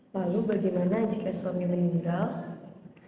lalu bagaimana jika suami meninggal